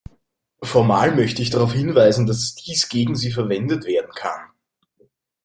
Formal möchte ich darauf hinweisen, dass dies gegen Sie verwendet werden kann.